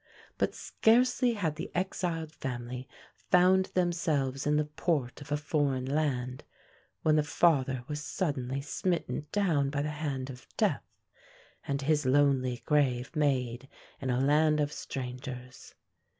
But scarcely had the exiled family found themselves in the port of a foreign land, when the father was suddenly smitten down by the hand of death, and his lonely grave made in a land of strangers.